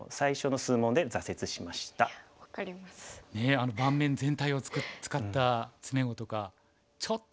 あの盤面全体を使った詰碁とかちょっと。